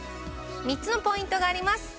３つのポイントがあります